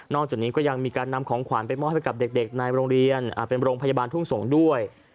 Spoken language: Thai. จากนี้ก็ยังมีการนำของขวานไปมอบให้กับเด็กในโรงเรียนเป็นโรงพยาบาลทุ่งสงศ์ด้วย